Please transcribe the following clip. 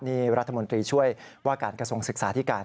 นี่รัฐมนตรีช่วยว่าการกระทรวงศึกษาที่การ